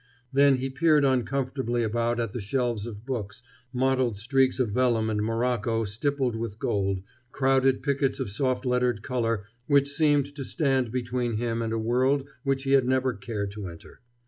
Then he peered uncomfortably about at the shelves of books, mottled streaks of vellum and morocco stippled with gold, crowded pickets of soft lettered color which seemed to stand between him and a world which he had never cared to enter.